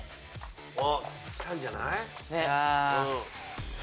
あっきたんじゃない？